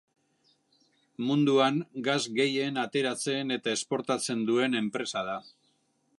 Munduan gas gehien ateratzen eta esportatzen duen enpresa da.